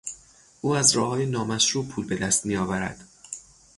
او از راههای نامشروع پول به دست آورد.